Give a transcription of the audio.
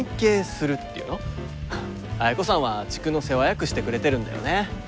綾子さんは地区の世話役してくれてるんだよね。